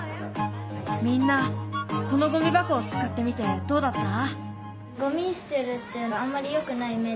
みんなこのゴミ箱を使ってみてどうだった？